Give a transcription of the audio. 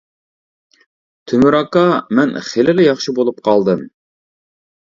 -تۆمۈر ئاكا، مەن خېلىلا ياخشى بولۇپ قالدىم.